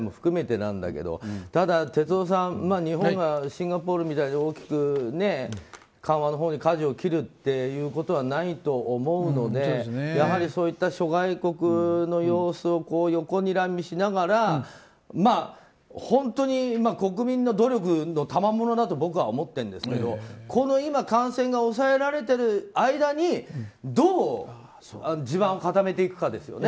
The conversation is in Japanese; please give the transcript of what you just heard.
なんだけどただ、哲夫さん日本がシンガポールみたいに大きく緩和のほうにかじを切るということはないと思うので、そういった諸外国の様子を横にらみしながら本当に国民の努力のたまものだと僕は思ってるんですけどこの今感染が抑えられている間にどう地盤を固めていくかですよね。